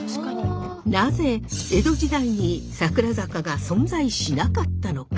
なぜ江戸時代に桜坂が存在しなかったのか？